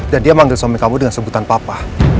dan dia manggil suami kamu dengan sebutan papa